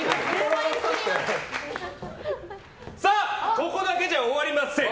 これだけじゃ終わりません！